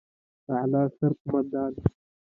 اعلى سرقومندان